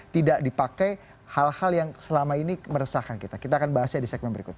tidak dipakai hal hal yang selama ini meresahkan kita kita akan bahasnya di segmen berikutnya